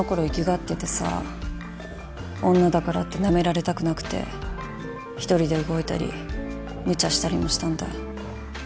粋がっててさ女だからってなめられたくなくて１人で動いたり無茶したりもしたんだ